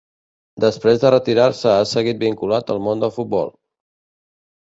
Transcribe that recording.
Després de retirar-se ha seguit vinculat al món del futbol.